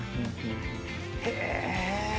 へえ。